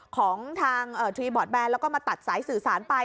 ของทางทรีบอร์ดแนนแล้วก็มาตัดสายสื่อสารไป